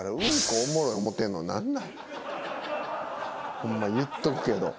ホンマ言っとくけど。